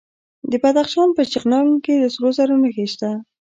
د بدخشان په شغنان کې د سرو زرو نښې شته.